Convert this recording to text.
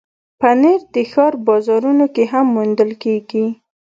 پنېر د ښار بازارونو کې هم موندل کېږي.